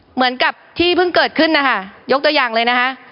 เหมือนกับที่เพิ่งเกิดขึ้นยกตัวอย่างเลย